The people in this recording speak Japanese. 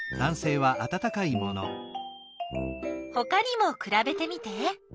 ほかにもくらべてみて。